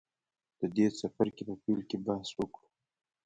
د دې څپرکي په پیل کې به بحث وکړو.